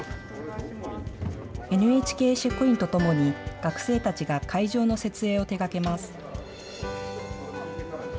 ＮＨＫ職員と共に学生たちが会場の設営を手がけます。